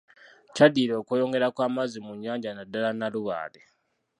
Kyaddirira okweyongera kw'amazzi mu nnyanja naddala Nalubaale.